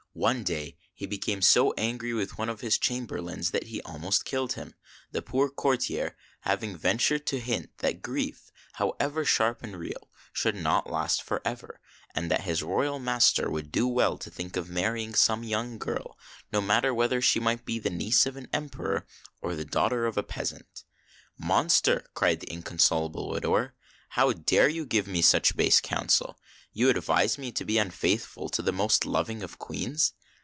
One day he became so angry with one of his chamberlains that he almost killed him, the poor courtier having ventured to hint that grief, however sharp and real, should not last for ever, and that his royal master would do well to think of mar rying some young girl, no matter whether she might be the niece of an Emperor or the daughter of a peasant. " Monster !" cried the inconsolable widower :" how dare you give me such base counsel ? You advise me to be unfaith ful to the most loving of Queens.